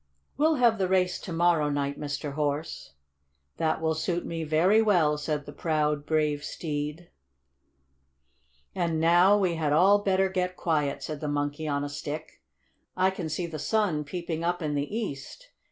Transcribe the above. We'll have the race to morrow night, Mr. Horse." "That will suit me very well," said the proud, brave steed. "And now we had all better get quiet," said the Monkey on a Stick. "I can see the sun peeping up in the east.